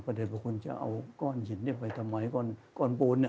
ประเทศประคุณจะเอาก้อนหินเนี่ยไปทำไมก้อนปูนเนี่ย